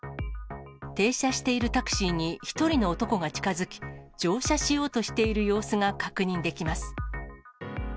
停車しているタクシーに１人の男が近づき、乗車しようとしている様子が確認できます。